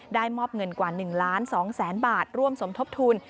ได้มอบเงินกว่า๑๒๐๐๐๐๐บาทร่วมสมทบทุน